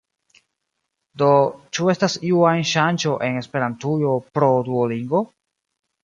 Do, ĉu estas iu ajn ŝanĝo en Esperantujo pro Duolingo?